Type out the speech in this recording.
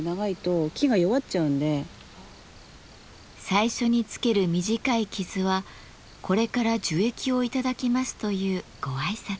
最初につける短い傷はこれから樹液を頂きますというご挨拶。